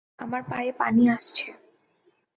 আমার পায়ে পানি আসছে।